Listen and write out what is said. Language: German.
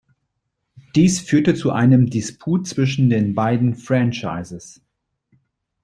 Dies führte zu einem Disput zwischen den beiden Franchises.